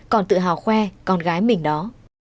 còn tự hào khoe con gái mình đó